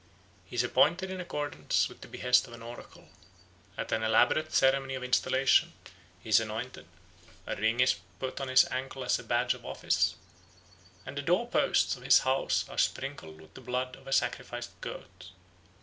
He is appointed in accordance with the behest of an oracle. At an elaborate ceremony of installation he is anointed, a ring is put on his ankle as a badge of office, and the door posts of his house are sprinkled with the blood of a sacrificed goat.